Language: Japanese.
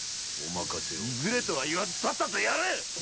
いずれとは言わずさっさと殺れ！